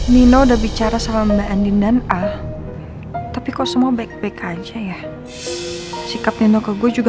nino udah bicara sama mbak andi dan ah tapi kau semua baik baik aja ya sikapnya juga